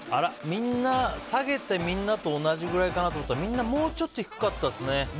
みんな下げて、みんなと同じくらいかなと思ったらみんなもうちょっと低かったですね。